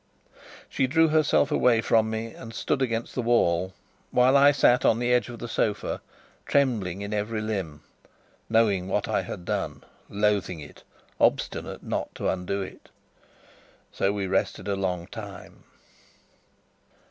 She drew herself away from me and stood against the wall, while I sat on the edge of the sofa, trembling in every limb, knowing what I had done loathing it, obstinate not to undo it. So we rested a long time.